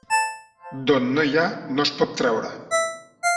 D'on no hi ha, no es pot traure.